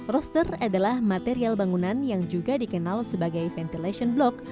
roster adalah material bangunan yang juga dikenal sebagai ventilation block